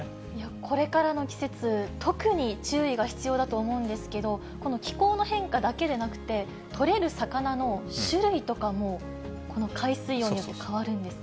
これからの季節、特に注意が必要だと思うんですけど、この気候の変化だけでなくて、取れる魚の種類とかも、この海水温によって変わるんですか。